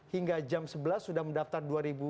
hingga jam sebelas sudah mendaftar dua ribu lima